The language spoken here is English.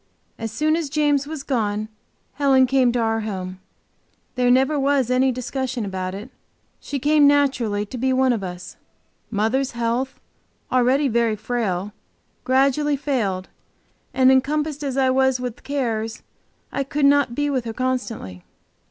As soon as James was gone Helen came to our home; there was never any discussion about it, she came naturally to be one of us. Mother's health, already very frail, gradually failed, and encompassed as I was with cares, I could not be with her constantly.